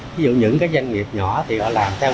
ví dụ những cái doanh nghiệp nhỏ thì họ làm theo